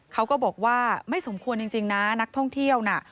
เขาก็บอกว่าไม่สมควรจริงนะนักท่องเที่ยวน่ะ